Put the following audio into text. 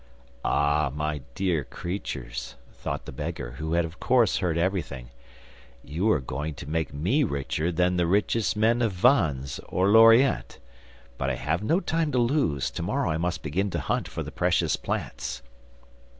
'Ah, my dear creatures,' thought the beggar, who had of course heard everything, 'you are going to make me richer than the richest men of Vannes or Lorient. But I have no time to lose; to morrow I must begin to hunt for the precious plants.